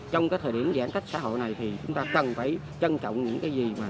trong thời điểm giãn cách xã hội này thì chúng ta cần phải trân trọng những gì